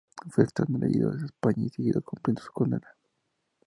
Fue extraditado a España y siguió cumpliendo su condena.